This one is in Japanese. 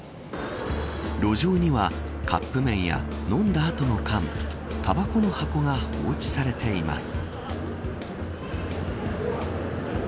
路上にはカップ麺や飲んだ後の缶たばこの箱が放置されています。